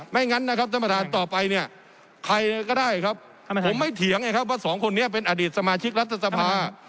งั้นนะครับท่านประธานต่อไปเนี่ยใครก็ได้ครับผมไม่เถียงไงครับว่าสองคนนี้เป็นอดีตสมาชิกรัฐสภา